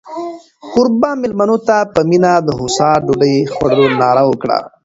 کوربه مېلمنو ته په مینه د هوسا ډوډۍ خوړلو ناره وکړه.